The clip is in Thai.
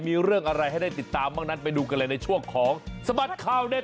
มีเรื่องอะไรให้ได้ติดตามบ้างนั้นไปดูกันเลยในช่วงของสบัดข่าวเด็ด